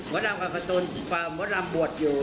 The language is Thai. มดลำกาการ์ตูมดลำบวชอยู่